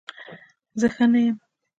زه ښه نه یم